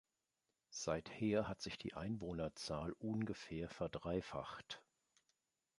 Seither hat sich die Einwohnerzahl ungefähr verdreifacht.